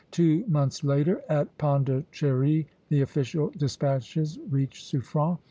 Two months later, at Pondicherry, the official despatches reached Suffren.